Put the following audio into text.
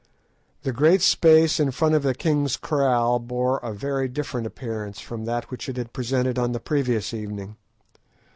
The great space in front of the king's kraal bore a very different appearance from that which it had presented on the previous evening.